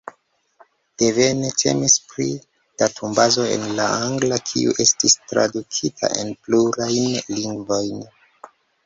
Devene temis pri datumbazo en la angla, kiu estis tradukita en plurajn lingvojn.